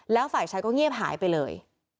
แล้วฝ่ายชายก็เงียบหายไปเลย